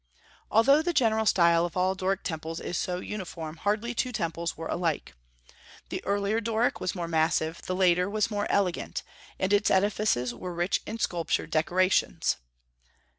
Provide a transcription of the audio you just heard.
Although the general style of all the Doric temples is so uniform, hardly two temples were alike. The earlier Doric was more massive; the later was more elegant, and its edifices were rich in sculptured decorations.